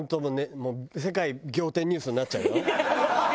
もう『世界仰天ニュース』になっちゃうよ。